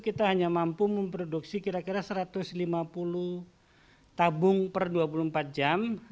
kita hanya mampu memproduksi kira kira satu ratus lima puluh tabung per dua puluh empat jam